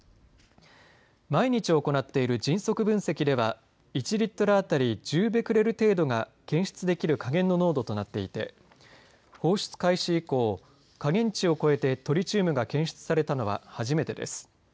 毎日行っている迅速分析では１リットル当たり１０ベクレル程度が検出できる下限の濃度となっていて放出開始以降、下限値を超えてトリチウムが検出されたのは初めてです。